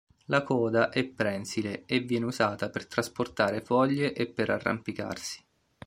La coda è prensile, e viene usata per trasportare foglie e per arrampicarsi.